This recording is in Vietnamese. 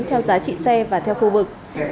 theo giá trị xe và theo khu vực